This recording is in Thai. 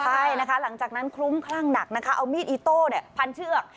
ใช่นะคะหลังจากนั้นคลุ้มคลั่งหนักนะคะเอามีดอิโต้พันเชือก